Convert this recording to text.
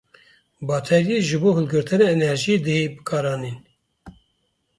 bateryî ji bo hilgirtina enerjîyê dihê bikaranîn.